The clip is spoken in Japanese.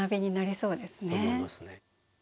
そう思いますね。